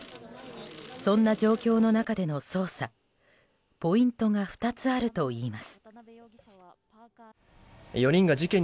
そんな状況の中での捜査ポイントが２つあるといいます。